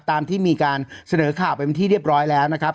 ตามที่มีการเสนอข่าวไปเป็นที่เรียบร้อยแล้วนะครับ